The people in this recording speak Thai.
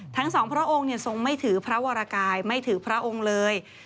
ทั้งสองพระองค์ทรงไม่ถือพระวรกายไม่ถือพระองค์เลย